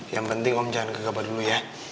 yang penting om jangan kegabat dulu ya